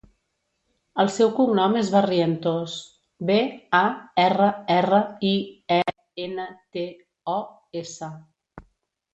El seu cognom és Barrientos: be, a, erra, erra, i, e, ena, te, o, essa.